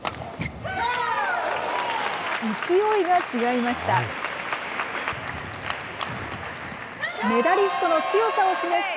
勢いが違いました。